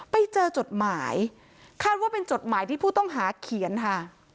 จดหมายคาดว่าเป็นจดหมายที่ผู้ต้องหาเขียนค่ะ